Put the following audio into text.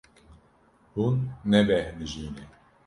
Hûn nebêhnijîne.